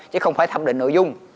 chứ không phải thẩm định nội dung